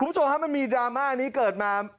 คุณผู้ชมฮ่ามีดราม่านี้เกิดมา